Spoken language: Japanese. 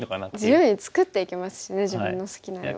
自由に作っていけますしね自分の好きなように。